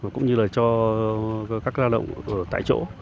cũng như là cho các lao động tại chỗ